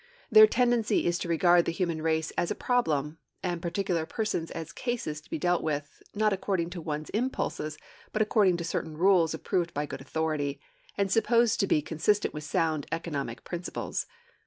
Their tendency is to regard the human race as a problem, and particular persons as 'cases' to be dealt with, not according to one's impulses, but according to certain rules approved by good authority, and supposed to be consistent with sound economic principles.